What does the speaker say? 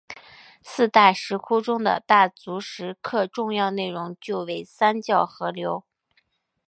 四大石窟中的大足石刻主要内容就为三教合流。